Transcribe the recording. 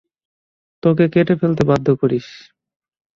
তোকে কেটে ফেলতে বাধ্য করিস।